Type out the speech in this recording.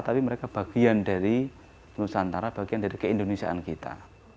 tapi mereka bagian dari nusantara bagian dari keindonesiaan kita